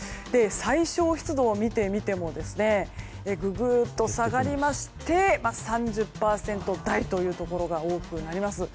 最小湿度を見てみてもぐぐーっと下がりまして３０％台というところが多くなります。